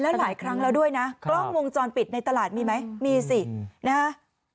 แล้วหลายครั้งแล้วด้วยนะกล้องวงจรปิดในตลาดมีไหมมีสินะฮะ